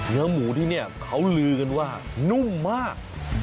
เนื้อหมูที่นี่เขาลือกันว่านุ่มมาก